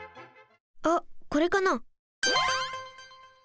あっこれかな？